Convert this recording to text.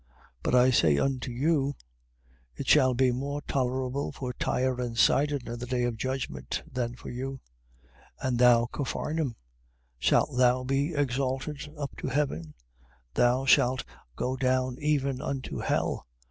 11:22. But I say unto you, it shall be more tolerable for Tyre and Sidon in the day of judgment, than for you. 11:23. And thou Capharnaum, shalt thou be exalted up to heaven? thou shalt go down even unto hell.